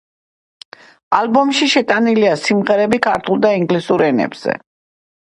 ალბომში შეტანილია სიმღერები ქართულ და ინგლისურ ენებზე.